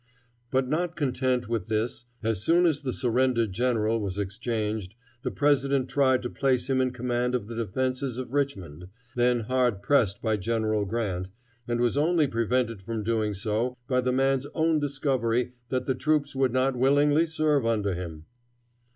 But not content with this, as soon as the surrendered general was exchanged the president tried to place him in command of the defenses of Richmond, then hard pressed by General Grant, and was only prevented from doing so by the man's own discovery that the troops would not willingly serve under him.